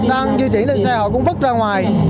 đang di chuyển lên xe họ cũng vứt ra ngoài